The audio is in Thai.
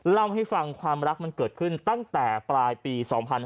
เล่าให้ฟังความรักมันเกิดขึ้นตั้งแต่ปลายปี๒๕๕๙